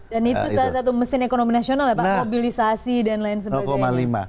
dan itu salah satu mesin ekonomi nasional ya pak mobilisasi dan lain sebagainya